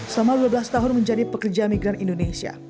selama dua belas tahun menjadi pekerja migran indonesia